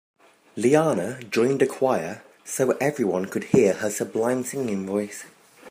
Leanne joined a choir so everyone could hear her sublime singing voice.